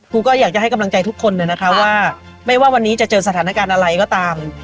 ก็อยากจะให้กำลังใจทุกคนนะคะว่าไม่ว่าวันนี้จะเจอสถานการณ์อะไรก็ตาม